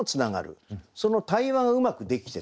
その対話がうまくできてた句で。